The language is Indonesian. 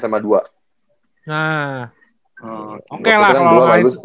oke lah kalau kayak gitu